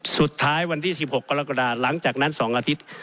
วันที่๑๖กรกฎาหลังจากนั้น๒อาทิตย์